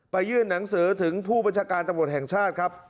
ยื่นหนังสือถึงผู้บัญชาการตำรวจแห่งชาติครับ